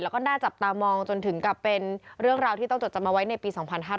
แล้วก็น่าจับตามองจนถึงกับเป็นเรื่องราวที่ต้องจดจำเอาไว้ในปี๒๕๕๙